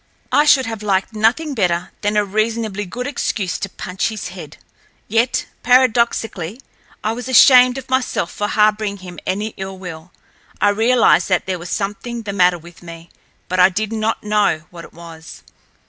I should have liked nothing better than a reasonably good excuse to punch his head; yet, paradoxically, I was ashamed of myself for harboring him any ill will. I realized that there was something the matter with me, but I did not know what it was.